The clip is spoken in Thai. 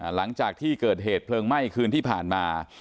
หลังจากที่เกิดเหตุเพลิงไหม้คืนที่ผ่านมา